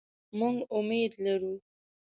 مونږ امید لرو